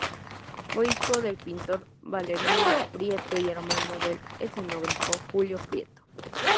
Fue hijo del pintor Valerio Prieto y hermano del escenógrafo Julio Prieto.